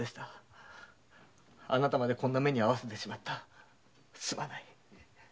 あなたまでこんな目に遭わせてしまいすまない。